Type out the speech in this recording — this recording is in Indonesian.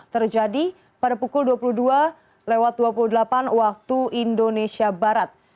terjadi pada pukul dua puluh dua lewat dua puluh delapan waktu indonesia barat